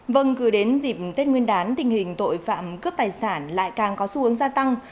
vâng cứ đến dịp tết nguyên đán tình hình tội phạm cướp tài sản lại càng có xu hướng gia tăng